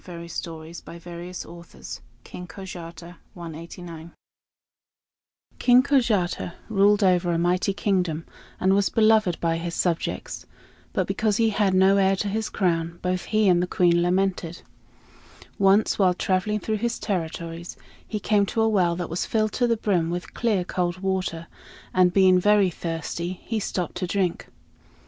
RUSSIAN STORIES KING KOJATA King Kojata ruled over a mighty kingdom, and was beloved by his subjects; but because he had no heir to his crown, both he and the Queen lamented. Once, while traveling through his territories, he came to a well that was filled to the brim with clear cold water; and being very thirsty, he stopped to drink.